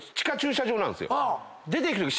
出ていくとき。